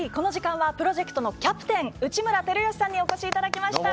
プロジェクトのキャプテン内村光良さんにお越しいただきました。